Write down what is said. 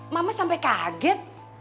mama sampai kaget